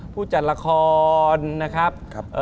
ผู้จัดละครนะครับ